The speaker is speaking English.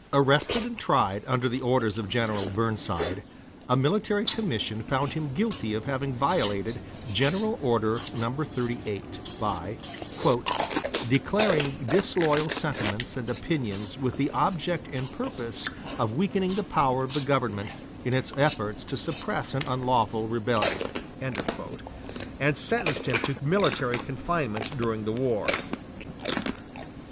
Arrested and tried under the orders of General Burnside, a military commission found him guilty of having violated General Order No. 38, by "declaring disloyal sentiments and opinions with the object and purpose of weakening the power of the government in its efforts to suppress an unlawful rebellion"; and sentenced him to military confinement during the war.